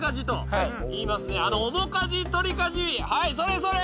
はいそれそれ！